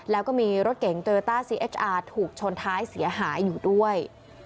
แล้วก็มีรถเก๋งโยต้าซีเอสอาร์ถูกชนท้ายเสียหายอยู่ด้วย